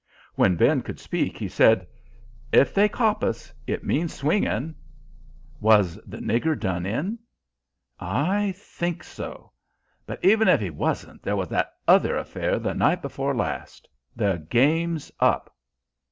When Ben could speak, he said: "If they cop us, it means swinging." "Was the nigger done in?" "I think so. But even if 'e wasn't, there was that other affair the night before last. The game's up."